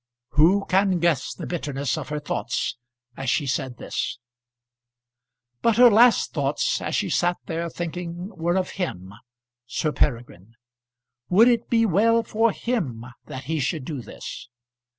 Who can guess the bitterness of her thoughts as she said this? But her last thoughts, as she sat there thinking, were of him Sir Peregrine. Would it be well for him that he should do this?